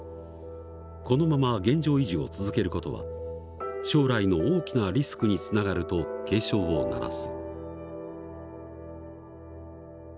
このまま現状維持を続ける事は将来の大きなリスクにつながると警鐘を鳴らす。